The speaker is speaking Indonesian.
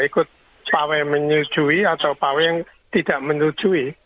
ikut pawe yang menyuji atau pawe yang tidak menyuji